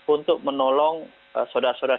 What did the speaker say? untuk menolong sodara sodara